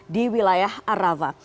di wilayah arava